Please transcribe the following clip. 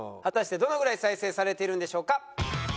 果たしてどのぐらい再生されているんでしょうか？